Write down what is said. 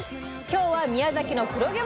今日は宮崎の黒毛和牛。